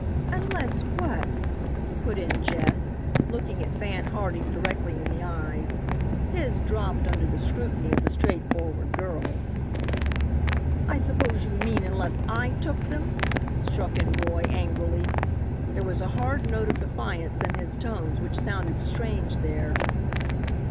"Unless what?" put in Jess, looking at Fan Harding directly in the eyes. His dropped under the scrutiny of the straightforward girl. "I suppose you mean unless I took them," struck in Roy, angrily. There was a hard note of defiance in his tones which sounded strange there.